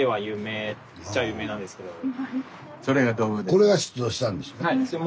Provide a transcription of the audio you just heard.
これが出土したんですか？